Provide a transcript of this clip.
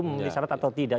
masyarakat atau tidak